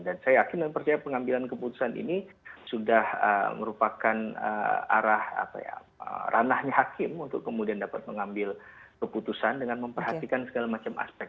dan saya yakin dan percaya pengambilan keputusan ini sudah merupakan arah ranahnya hakim untuk kemudian dapat mengambil keputusan dengan memperhatikan segala macam aspek